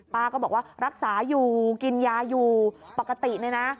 ป้าก็บอกว่ารักษาอยู่กินยาอยู่ปกติเนี่ยนะ